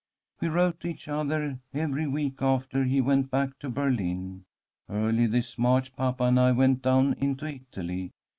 "'We wrote to each other every week after he went back to Berlin. Early this March papa and I went down into Italy.